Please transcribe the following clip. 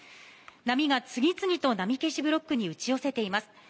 波が次々と波消しブロックに打ち寄せています。